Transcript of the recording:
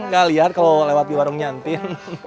gak liat kalau lewat warung nyantin